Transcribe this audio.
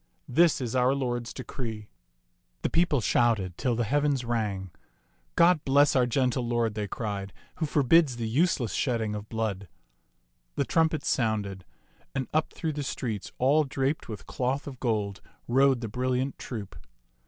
This is our lord's decree." The people shouted till the heavens rang. " God bless our gentle lord," they cried, " who forbids the useless shedding of blood." The trumpets sounded, and up through the streets all draped with cloth of gold rode the brilliant troop.